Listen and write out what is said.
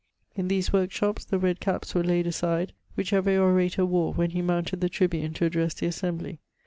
In these workshops the red caps were laid aside, which every orator wore when he moimted the tribime to address the assembly.